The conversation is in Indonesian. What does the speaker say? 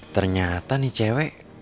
ternyata nih cewek